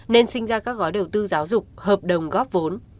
nên sinh ra các gói đầu tư giáo dục hợp đồng góp vốn